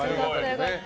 良かった。